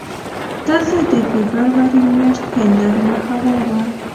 دلته د فبروري میاشت کې نرمه هوا وه.